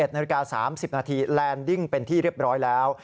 ๑นาฬิกา๓๐นาทีแลนดิ้งเป็นที่เรียบร้อยแล้ว